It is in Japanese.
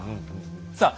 さあ